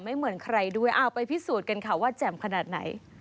เหมือนใครด้วยเอาไปพิสูจน์กันค่ะว่าแจ่มขนาดไหน